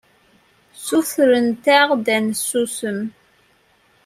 Ssutrent-aɣ-d ad nsusem.